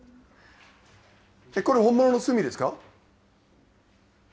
これ、本物の炭ですか？